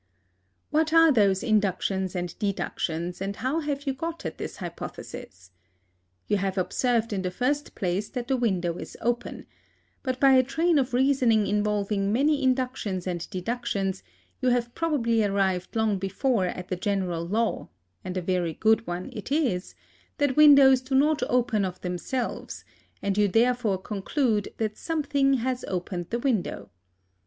What are those inductions and deductions, and how have you got at this hypothesis? You have observed in the first place, that the window is open; but by a train of reasoning involving many inductions and deductions, you have probably arrived long before at the general law and a very good one it is that windows do not open of themselves; and you therefore conclude that something has opened the window.